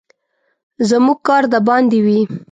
زموږ کار د باندې وي.